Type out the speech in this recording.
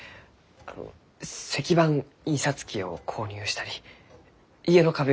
あの石版印刷機を購入したり家の壁を壊したり。